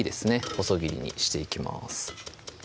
細切りにしていきます